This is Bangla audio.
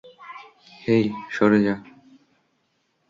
হেই, সরে যা!